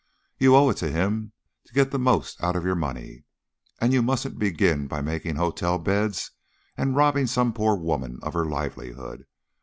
"You owe it to him to get the most out of your money, and you mustn't begin by making hotel beds and robbing some poor woman of her livelihood.